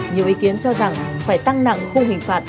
nhiều ý kiến cho rằng phải tăng nặng khung hình phạt